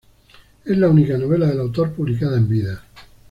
Es la única novela del autor publicada en vida.